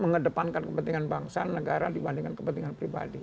mengedepankan kepentingan bangsa dan negara dibandingkan kepentingan pribadi